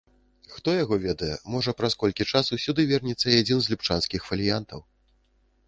Хто яго ведае, можа праз колькі часу сюды вернецца і адзін з любчанскіх фаліянтаў.